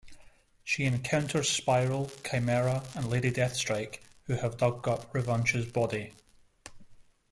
She encounters Spiral, Chimera and Lady Deathstrike who have dug up Revanche's body.